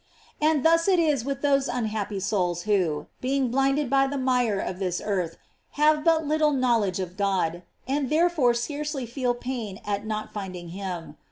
And thus it is with those unhappy souls who, being blinded by the mire of this earth, have but little knowledge of God, and therefore scarcely feel pain at not finding him.